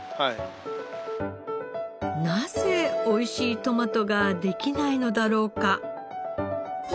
なぜ美味しいトマトができないのだろうか？